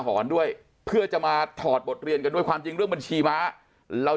หอนด้วยเพื่อจะมาถอดบทเรียนกันด้วยความจริงเรื่องบัญชีม้าเรา